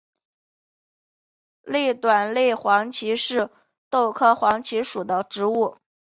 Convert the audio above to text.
类短肋黄耆是豆科黄芪属的植物。